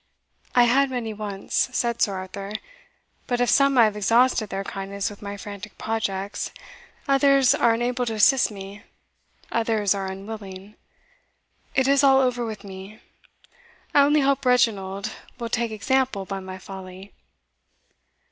"I had many once," said Sir Arthur; "but of some I have exhausted their kindness with my frantic projects; others are unable to assist me others are unwilling. It is all over with me. I only hope Reginald will take example by my folly."